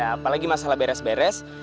apalagi masalah beres beres